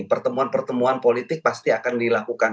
pertemuan pertemuan politik pasti akan dilakukan